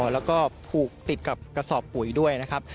แล้วก็ผูกติดกับกระสอบปุ๋ยด้วยนะครับ